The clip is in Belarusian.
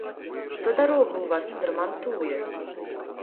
Што дарогу ў вас адрамантуе?